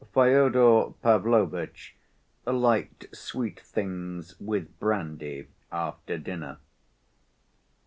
Fyodor Pavlovitch liked sweet things with brandy after dinner.